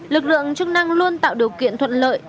lực lượng chức năng luôn tạo điều kiện thuận lợi